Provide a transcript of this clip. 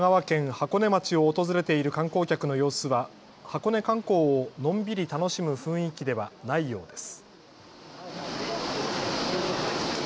箱根町を訪れている観光客の様子は箱根観光をのんびり楽しむ雰囲気ではないようです。